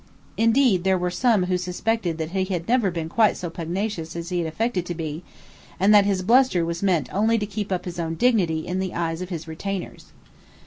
Indeed there were some who suspected that he had never been quite so pugnacious as he had affected to be, and that his bluster was meant only to keep up his own dignity in the eyes of his retainers.